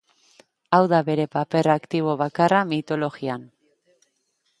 Hau da bere paper aktibo bakarra mitologian.